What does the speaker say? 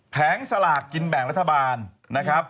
สลากกินแบ่งรัฐบาลนะครับ